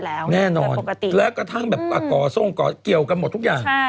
พระนามศรีราชพร้าวส์รถเยอะอยู่แล้ว